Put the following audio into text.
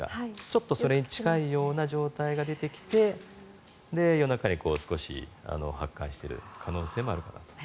ちょっとそれに近いような状態が出てきて夜中に少し発汗してる可能性もあると。